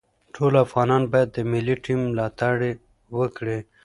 ټول افغانان باید د ملي ټیم ملاتړ وکړي.